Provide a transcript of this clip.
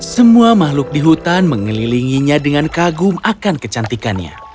semua makhluk di hutan mengelilinginya dengan kagum akan kecantikannya